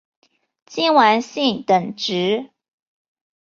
金丸信等职。